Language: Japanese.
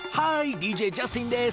ＤＪジャスティンです。